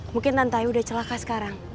mungkin lantai udah celaka sekarang